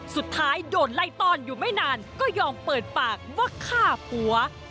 สุดท้ายโดนไล่ต้อนอยู่ไม่นานก็ยอมเปิดปากว่าฆ่าผัว